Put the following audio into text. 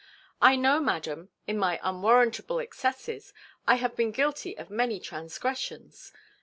I know, madam, in my unwarrantable excesses, I have been guilty of many transgressions.